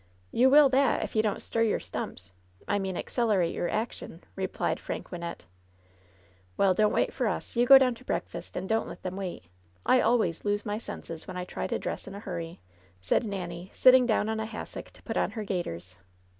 "You will that, if you don't stjr your stumps — I mean accelerate your action," replied frank Wynnette. ^^ell, don't wait for us. You go down to breakfast, and don't let them wait. I always lose my senses when I try to dress in a hurry," said Nanny, sitting down on a hassock to put on her gaiters.